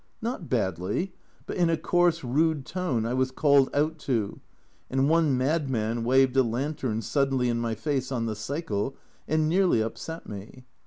Not badly, but in a coarse rude tone I was called out to, and one madman waved a lantern suddenly in my face on the cycle and nearly upset me.